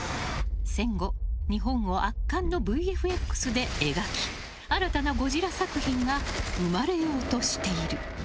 戦後日本を圧巻のＶＦＸで描き新たな「ゴジラ」作品が生まれようとしている。